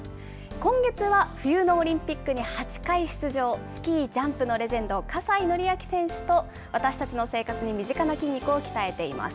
今月は冬のオリンピックに８回出場、スキージャンプのレジェンド、葛西紀明選手と私たちの生活に身近な筋肉を鍛えています。